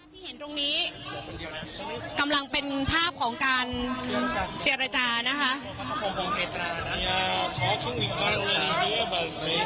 ที่เห็นตรงนี้กำลังเป็นภาพของการเจรจานะคะ